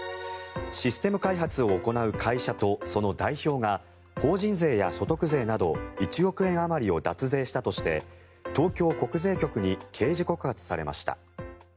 システム開発を行う会社とその代表が法人税や所得税など１億円あまりを脱税したとして東京国税局に刑事告発されました。